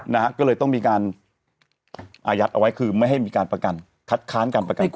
นะฮะก็เลยต้องมีการอายัดเอาไว้คือไม่ให้มีการประกันคัดค้านการประกันตัว